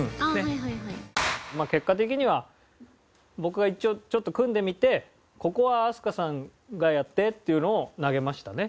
まあ結果的には僕が一応ちょっと組んでみてここは飛鳥さんがやってっていうのを投げましたね。